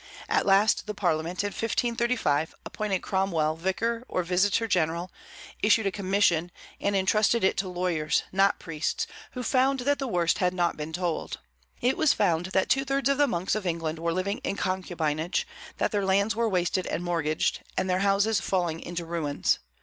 At last the Parliament, in 1535, appointed Cromwell vicar or visitor general, issued a commission, and intrusted it to lawyers, not priests, who found that the worst had not been told. It was found that two thirds of the monks of England were living in concubinage; that their lands were wasted and mortgaged, and their houses falling into ruins.